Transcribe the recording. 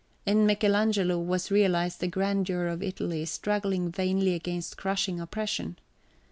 In Michelangelo was realized the grandeur of Italy struggling vainly against crushing oppression.